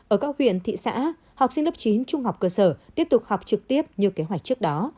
ở các huyện thị xã học sinh lớp chín trung học cơ sở tiếp tục học trực tiếp như kế hoạch trước đó